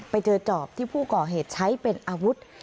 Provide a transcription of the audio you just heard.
ไปเจอจอบที่ผู้ก่อเหตุใช้เป็นอาวุธ